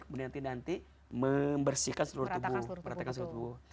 kemudian nanti nanti membersihkan seluruh tubuh